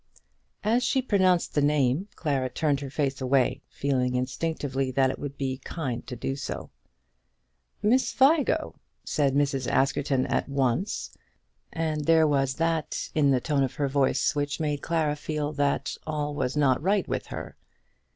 As she pronounced the name, Clara turned her face away, feeling instinctively that it would be kind to do so. "Miss Vigo!" said Mrs. Askerton at once; and there was that in the tone of her voice which made Clara feel that all was not right with her.